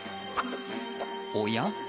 おや？